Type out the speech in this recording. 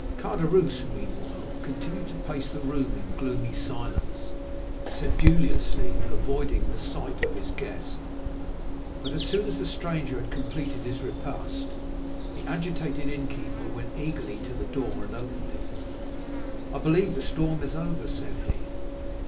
Caderousse, meanwhile, continued to pace the room in gloomy silence, sedulously avoiding the sight of his guest; but as soon as the stranger had completed his repast, the agitated innkeeper went eagerly to the door and opened it. "'I believe the storm is over,' said he.